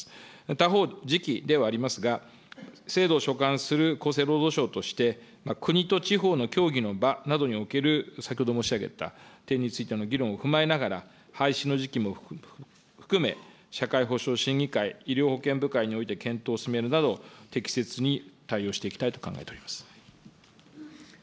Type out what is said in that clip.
他方、時期ではありますが、制度を所管する厚生労働省として、国と地方の協議の場などにおける、先ほど申し上げた点についての議論を踏まえながら、廃止の時期も含め、社会保障審議会、医療部会において検討を進めるなど、適切に対応していきたいと考えております。